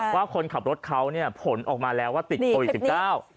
ว่าคนขับรถเขาเนี่ยผลออกมาแล้วว่าติดตัวอีก๑๙